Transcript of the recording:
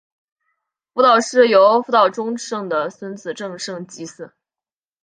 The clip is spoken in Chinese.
福岛氏由福岛忠胜的孙子正胜继嗣。